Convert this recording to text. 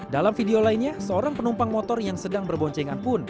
dalam video lainnya seorang penumpang motor yang sedang berboncengan pun